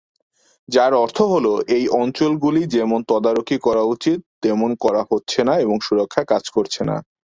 যার অর্থ হ'ল এই অঞ্চলগুলি যেমন তদারকি করা উচিত তেমন করা হচ্ছে না এবং সুরক্ষা কাজ করছে না।